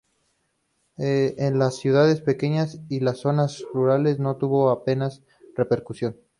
En las ciudades pequeñas y las zonas rurales no tuvo apenas repercusión.